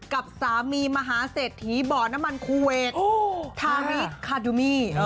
กับสามีมหาเศรษฐีบ่อน้ำมันคูเวททาริสคาดูมี